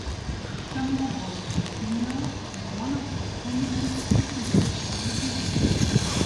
Samuel Bolton, junior, is one of the prominent citizens of the village.